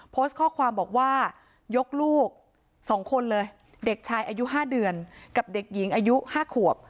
โพสต์ข้อความบอกว่ายกลูก๒คนเลยเด็กชายอายุ๕เดือนกับเด็กหญิงอายุ๕ขวบ